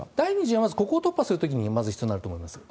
第２陣はここを突破するときに必要になると思います。